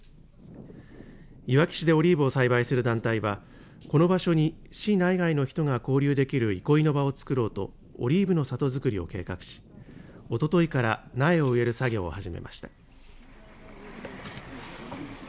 いわき市でオリーブを栽培する団体はこの場所に市内外の人が交流できる憩いの場を造ろうとオリーブの里造りを企画しおとといから苗を植える作業を始めました。